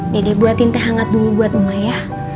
dede buatin teh hangat dulu buatmu mak ya